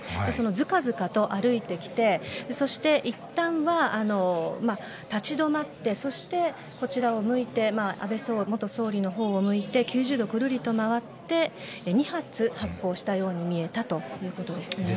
ずかずかと歩いてきてそして、いったんは立ち止まって安倍元総理のほうを向いて９０度くるりと回って２発発砲したように見えたということですね。